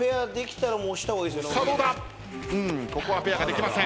ここはペアができません。